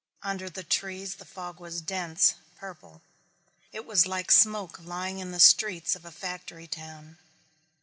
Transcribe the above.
Under the trees the fog was dense, purple. It was like smoke lying in the streets of a factory town.